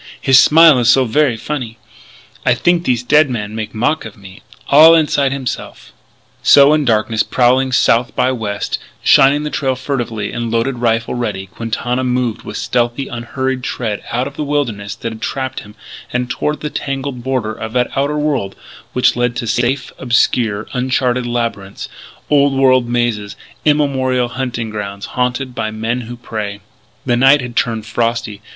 His smile is so ver' funny.... I think thees dead man make mock of me all inside himse'f " So, in darkness, prowling south by west, shining the trail furtively, and loaded rifle ready, Quintana moved with stealthy, unhurried tread out of the wilderness that had trapped him and toward the tangled border of that outer world which led to safe, obscure, uncharted labyrinths old world mazes, immemorial hunting grounds haunted by men who prey. The night had turned frosty.